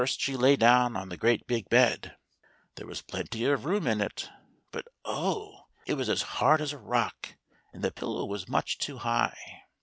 First she lay down on the great big bed. There was plenty of room in it ; but oh ! it was as hard as a rock, and the pillow was much too high.